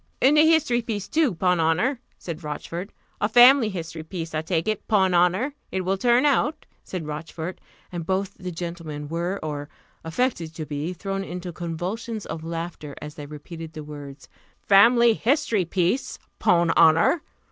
"And a history piece, too, 'pon honour!" said Rochfort: "a family history piece, I take it, 'pon honour! it will turn out," said Rochfort; and both the gentlemen were, or affected to be, thrown into convulsions of laughter, as they repeated the words, "family history piece, 'pon honour!